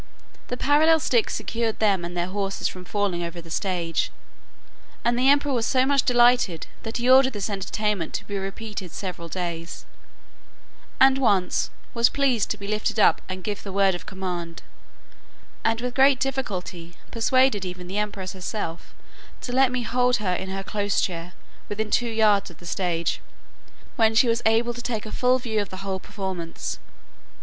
The parallel sticks secured them and their horses from falling over the stage; and the emperor was so much delighted, that he ordered this entertainment to be repeated several days, and once was pleased to be lifted up and give the word of command; and with great difficulty persuaded even the empress herself to let me hold her in her close chair within two yards of the stage, when she was able to take a full view of the whole performance.